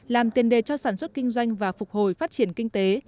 làm tiền đề cho sản xuất kinh doanh và phục hồi phát triển kinh tế